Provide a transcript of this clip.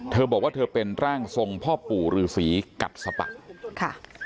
เธอบอกว่าเธอเป็นร่างทรงพ่อปู่หรือศรีกัดสปัก